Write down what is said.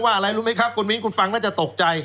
ว่าอะไรรู้ไหมครับกุญวินคุณฟังก็จะตกใจ